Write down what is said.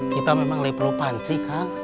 kita memang lebih perlu panci kang